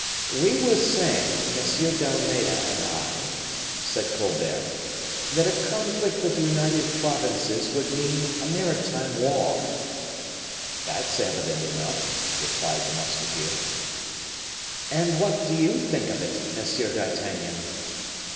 "We were saying, M. d'Almeda and I," said Colbert, "that a conflict with the United Provinces would mean a maritime war." "That's evident enough," replied the musketeer. "And what do you think of it, Monsieur d'Artagnan?"